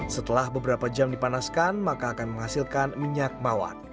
setelah beberapa jam dipanaskan maka akan menghasilkan minyak mawar